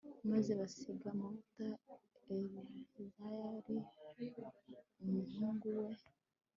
maze basiga amavuta eleyazari umuhungu we